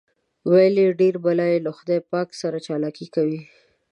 ویل یې ډېر بلا یې له خدای پاک سره چالاکي کوي.